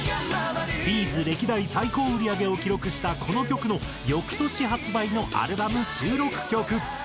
Ｂ’ｚ歴代最高売上を記録したこの曲の翌年発売のアルバム収録曲。